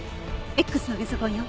Ｘのゲソ痕よ。